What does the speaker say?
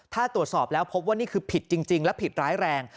ถ้าตรวจสอบแล้วพบว่านี่คือผิดจริงและผิดร้ายแรง